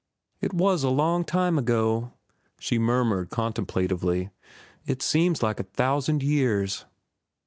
"It was a long time ago," she murmured contemplatively. "It seems like a thousand years."